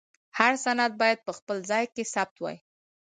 هر سند باید په خپل ځای کې ثبت وای.